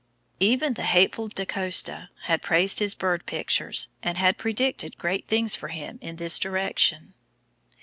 Even the hateful Da Costa had praised his bird pictures and had predicted great things for him in this direction.